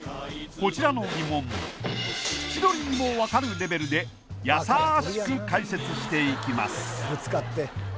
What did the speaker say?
こちらの疑問千鳥にも分かるレベルでやさしく解説していきます